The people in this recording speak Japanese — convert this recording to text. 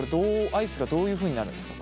アイスがどういうふうになるんですか？